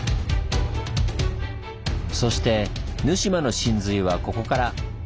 そして沼島の神髄はここから！